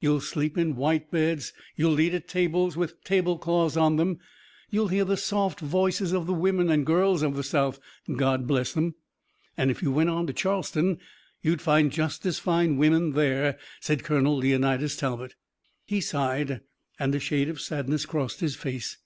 You'll sleep in white beds, you'll eat at tables, with tablecloths on 'em. You'll hear the soft voices of the women and girls of the South, God bless 'em!" "And if you went on to Charleston you'd find just as fine women there," said Colonel Leonidas Talbot. He sighed and a shade of sadness crossed his face.